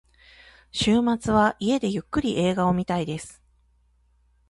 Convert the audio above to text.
週末は家でゆっくり映画を見たいです。